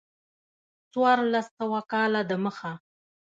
څوارلس سوه کاله د مخه.